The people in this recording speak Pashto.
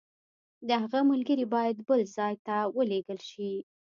د هغه ملګري باید بل ځای ته ولېږل شي.